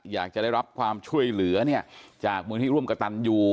อยากจะได้รับความช่วยเหลือเนี่ยจากเมืองที่ร่วมกระตันอยู่